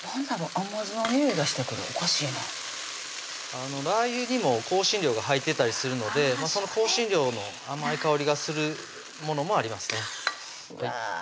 甘酢のにおいがしてくるおかしいなラー油にも香辛料が入ってたりするのでその香辛料の甘い香りがするものもありますねうわ